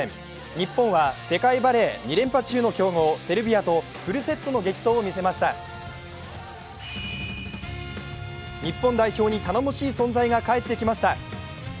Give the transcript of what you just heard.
日本は世界バレー２連覇中の強豪、セルビアとフルセットの激闘を見せましたる日本代表に頼もしい存在が帰ってきました。